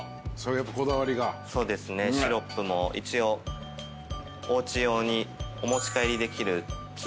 シロップも一応おうち用にお持ち帰りできる。